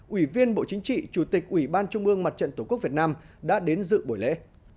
ủy viên bộ chính trị chủ tịch ủy ban trung ương mặt trận tổ quốc việt nam đã đến dự buổi lễ